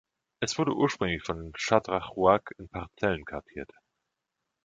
Es wurde ursprünglich von Shadrach Ruark in Parzellen kartiert.